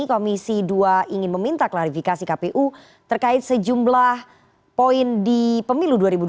komisi dua ingin meminta klarifikasi kpu terkait sejumlah poin di pemilu dua ribu dua puluh